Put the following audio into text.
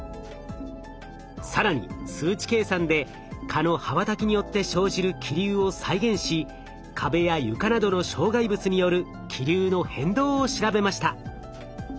更に数値計算で蚊の羽ばたきによって生じる気流を再現し壁や床などの障害物による気流の変動を調べました。